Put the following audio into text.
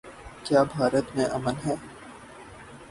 کیا بھارت میں امن ہے؟